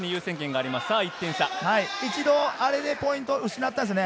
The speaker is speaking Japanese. あれで、一度ポイントを失ったんですね。